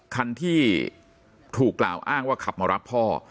คันที่ถูกกล่าวอ้างว่าขับมารับพ่อ